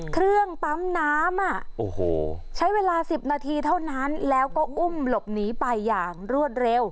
เครื่องปั๊มน้ำใช้เวลา๑๐นาทีเท่านั้นแล้วก็อุ้มหลบหนีไปอย่างรวดเร็ว